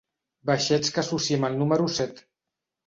Baixets que associem al número set.